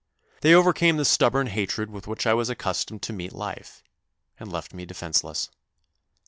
They overcame the stubborn hatred with which I was accustomed to meet life, and left me defenceless.